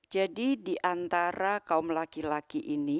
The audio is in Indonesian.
jadi diantara kaum laki laki ini